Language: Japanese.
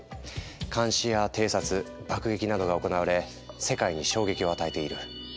監視や偵察爆撃などが行われ世界に衝撃を与えている。